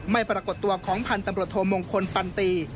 ปรากฏตัวของพันธุ์ตำรวจโทมงคลฟันตี